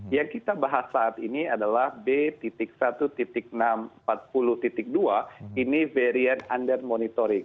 yang kita bahas saat ini adalah b satu enam ratus empat puluh dua ini variant under monitoring